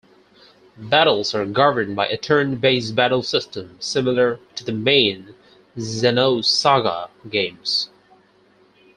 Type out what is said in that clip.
Battles are governed by a turn-based battle system similar to the main "Xenosaga" games.